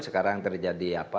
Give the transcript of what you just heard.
sekarang terjadi apa